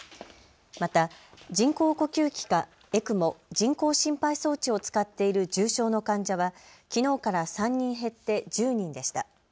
また人工呼吸器かＥＣＭＯ・人工心肺装置を使っている重症の患者はきのうから３人減って１０人でした。